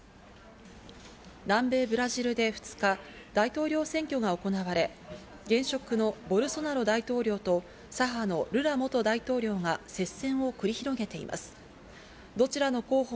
南米ブラジルで２日、大統領選挙が行われ、現職のボルソナロ大統領と左派のルラ元大統領が接戦を繰り広げています。